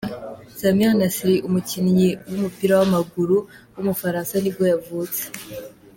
Samir Nasri, umukinnyi w’umupira w’amaguru w’umufaransa nibwo yavutse.